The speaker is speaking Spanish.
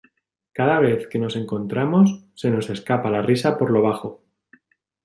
Cada vez que nos encontramos, se nos escapa la risa por lo bajo.